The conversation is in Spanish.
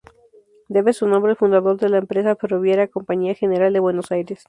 Debe su nombre al fundador de la empresa ferroviaria Compañía General de Buenos Aires.